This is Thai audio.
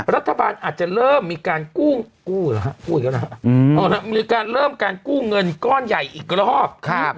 รัฐบาลอาจจะเริ่มมีการกู้เงินก้อนใหญ่อีกรอบ